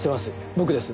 僕です。